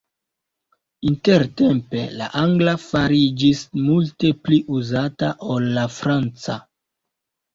Intertempe la angla fariĝis multe pli uzata ol la franca.